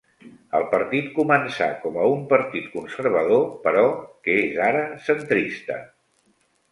El partit començà com a un partit conservador però que és ara centrista.